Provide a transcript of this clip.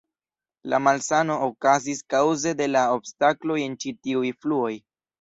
La malsano okazis kaŭze de la obstakloj en ĉi tiuj fluoj.